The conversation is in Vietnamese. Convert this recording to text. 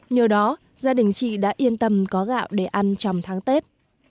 nhờ đó gia đình chị đã yên tâm có gạo để ăn trong tháng tết